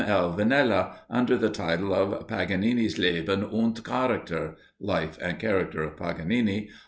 L. Vinela, under the title of "Paganini's Leben und Charakter," (Life and Character of Paganini).